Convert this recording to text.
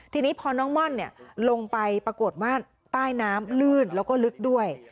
ทีนี้พอน้องม่อนลงไปปรากฏว่าใต้น้ำลื่นแล้วก็ลึกด้วย